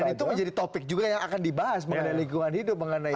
dan itu menjadi topik juga yang akan dibahas mengenai lingkungan hidup mengenai